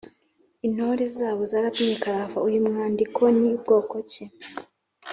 intore zabo zarabyinnye karahavauyu mwandiko ni bwoko ki?